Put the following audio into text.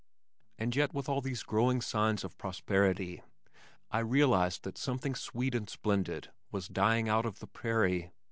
And yet with all these growing signs of prosperity I realized that something sweet and splendid was dying out of the prairie.